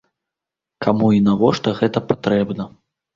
Каму і навошта гэта патрэбна?